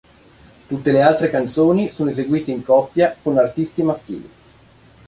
Tutte le altre canzoni sono eseguite in coppia con artisti maschili.